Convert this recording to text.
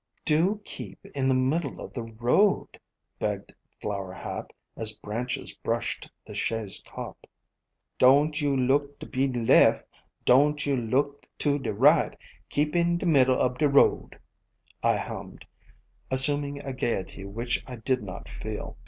"Do keep in the middle of the road," begged Flower Hat, as branches brushed the chaise top. "Doan* you look to de lef, doan' you look to de right, Keep in de middle ob de road!" I hummed, assuming a gayety which I did not feel.